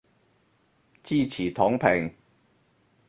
支持躺平